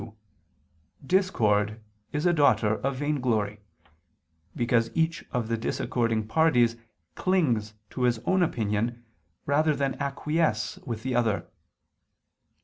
2), discord is a daughter of vainglory, because each of the disaccording parties clings to his own opinion, rather than acquiesce with the other.